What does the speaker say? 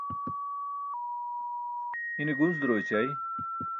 ine gunc duro ećai